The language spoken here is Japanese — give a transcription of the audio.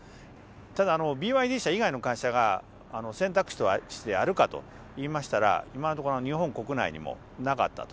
ただ、ＢＹＤ社以外の会社が選択肢としてあるかといいましたら、今のところ、日本国内にもなかったと。